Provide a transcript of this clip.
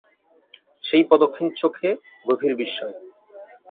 সেই পদকহীন চোখে গভীর বিস্ময়।